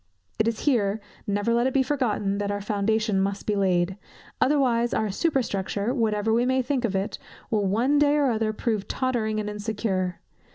It is here, never let it be forgotten, that our foundation must be laid; otherwise our superstructure, whatever we may think of it, will one day or other prove tottering and insecure.